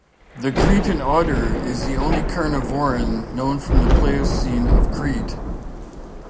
The Cretan otter is the only carnivoran known from the Pleistocene of Crete.